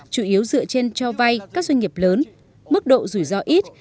chủ yếu dựa trên cho vay các doanh nghiệp lớn mức độ rủi ro ít